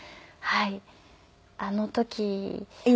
はい。